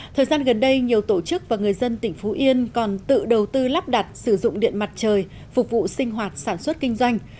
thời gian gần đây nhiều tổ chức và người dân tỉnh phú yên còn tự đầu tư lắp đặt sử dụng điện mặt trời phục vụ sinh hoạt sản xuất kinh doanh